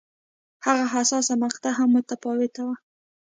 هغه حساسه مقطعه هم متفاوته وه.